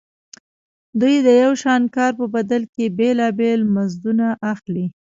دوی د یو شان کار په بدل کې بېلابېل مزدونه اخلي